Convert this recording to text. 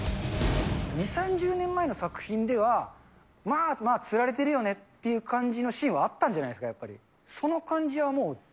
２、３０前の作品では、まあまあ、つられてるよねっていう感じのシーンはあったんじゃないですか。